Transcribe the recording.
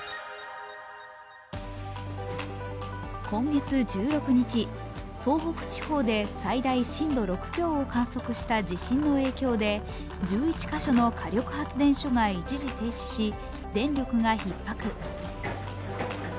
今月１６日、東北地方で最大震度６強を観測した地震の影響で１１カ所の火力発電所が一時停止し電力がひっ迫。